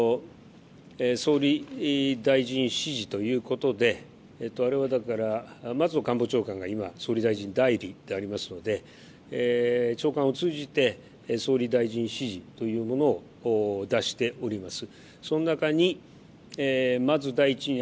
当然のことながら、発射が確認されて直後総理大臣指示ということで、松野官房長官が今、総理大臣代理でありますので長官を通じて総理大臣指示というものを出しております。